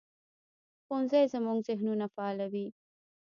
ښوونځی زموږ ذهنونه فعالوي